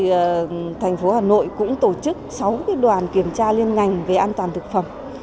thế rồi thành phố hà nội cũng tổ chức sáu cái đoàn kiểm tra liên ngành về an toàn thực phẩm